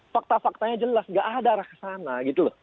fakta faktanya jelas gak ada arah ke sana gitu loh